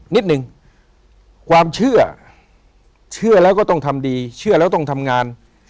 นิดนึงความเชื่อเชื่อแล้วก็ต้องทำดีเชื่อแล้วต้องทำงาน